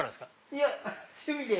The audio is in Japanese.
いや趣味で。